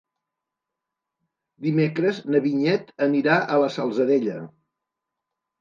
Dimecres na Vinyet anirà a la Salzadella.